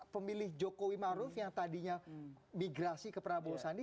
pemilih jokowi maruf yang tadinya migrasi ke prabowo sandi